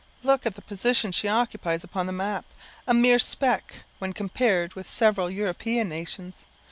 Look at the position she occupies upon the map a mere speck, when compared with several European nations.